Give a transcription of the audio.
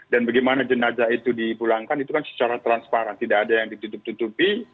dan bagaimana jenazah itu dipulangkan itu kan secara transparan tidak ada yang ditutup tutupi